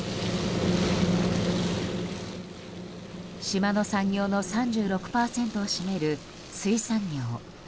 島の産業の３６％を占める水産業。